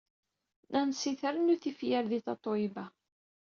Nasy trennu tifyar di Tatoeba.